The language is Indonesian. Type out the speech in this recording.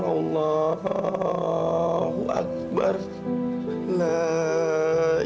mudah mudahan dia bisa menjadi anak suleha